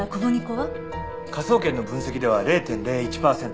科捜研の分析では０．０１パーセント。